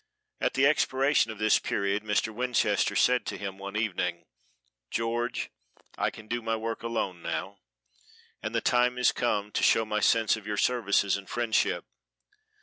At the expiration of this period Mr. Winchester said to him one evening, "George, I can do my work alone now, and the time is come to show my sense of your services and friendship.